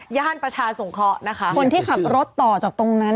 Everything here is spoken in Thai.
ย่านประชาสงเคราะห์นะคะคนที่ขับรถต่อจากตรงนั้น